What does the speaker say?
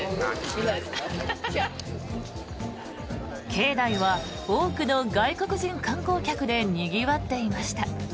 境内は多くの外国人観光客でにぎわっていました。